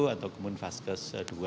atau kemudian fasankes dua